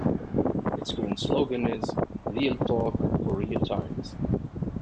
Its current slogan is "Real Talk for Real Times".